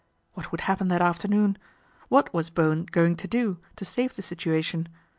What would happen that afternoon ? What was Bowen going to do to save the situation ?